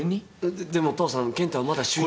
ででも父さん健太はまだ就任。